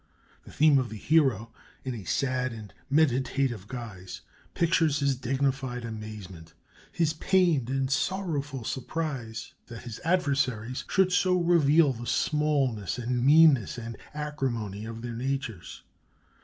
The theme of the Hero, in a sad and meditative guise, pictures his dignified amazement, his pained and sorrowful surprise that his adversaries should so reveal the smallness and meanness and acrimony of their natures.